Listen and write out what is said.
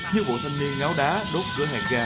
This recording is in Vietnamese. như vụ thanh niên ngáo đá đốt gỡ hạt gà